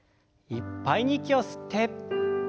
いっぱいに息を吸って。